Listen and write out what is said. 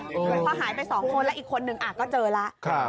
พอหายไป๒คนแล้วอีกคนนึงก็เจอแล้ว